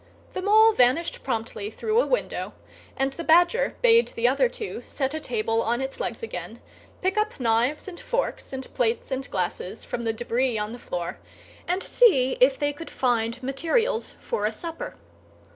The Mole vanished promptly through a window; and the Badger bade the other two set a table on its legs again, pick up knives and forks and plates and glasses from the débris on the floor, and see if they could find materials for a supper.